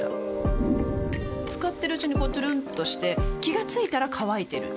使ってるうちにこうトゥルンとして気が付いたら乾いてる